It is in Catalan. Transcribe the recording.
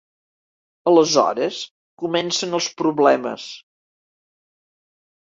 Aleshores comencen els problemes.